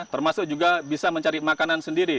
termasuk juga bisa mencari makanan sendiri